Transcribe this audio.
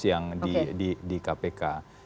yang di kpk